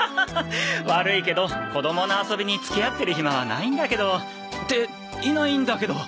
悪いけど子供の遊びに付き合ってる暇はないんだけど。っていないんだけど。